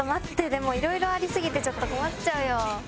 でもいろいろありすぎてちょっと困っちゃうよ。